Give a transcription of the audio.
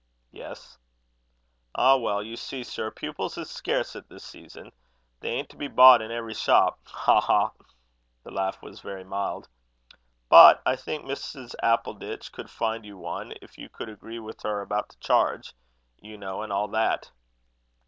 "Yes." "Ah! well you see, sir, pupils is scarce at this season. They ain't to be bought in every shop ha! ha!" (The laugh was very mild.) "But I think Mrs. Appleditch could find you one, if you could agree with her about the charge, you know, and all that."